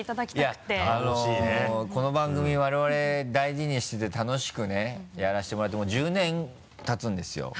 この番組我々大事にしてて楽しくねやらせてもらってもう１０年たつんですよ。